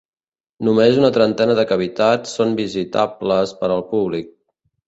Només una trentena de cavitats són visitables per al públic.